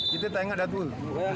kita tak ingat datul